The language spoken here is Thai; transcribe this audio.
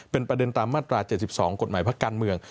เป็นประเด็นตามมาตรา๗๒กฎหมายพักการเมือง